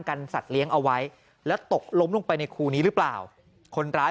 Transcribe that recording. สัตว์เลี้ยงเอาไว้แล้วตกล้มลงไปในครูนี้หรือเปล่าคนร้าย